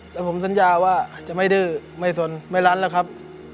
และผมสัญญาว่าจะไม่ดื้อไม่สนไม่ล้านหรอกครับ